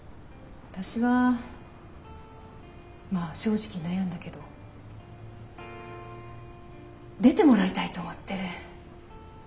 私はまあ正直悩んだけど出てもらいたいと思ってる。